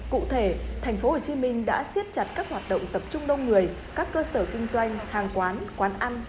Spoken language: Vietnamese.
cụ thể tp hcm đã siết chặt các hoạt động tập trung đông người các cơ sở kinh doanh hàng quán quán ăn